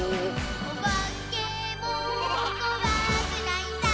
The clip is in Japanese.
「おばけもこわくないさ」